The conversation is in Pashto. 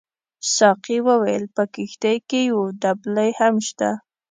ساقي وویل په کښتۍ کې یو دبلۍ هم شته.